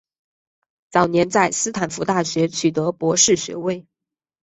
早年在斯坦福大学取得博士学位。